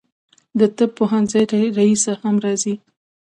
د طب پوهنځي رییسه هم راځي.